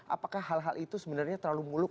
apakah hal hal itu sebenarnya terlalu muluk